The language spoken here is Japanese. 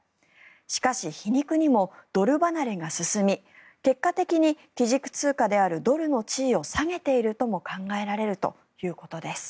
しかし、皮肉にもドル離れが進み結果的に基軸通貨であるドルの地位を下げているとも考えられるということです。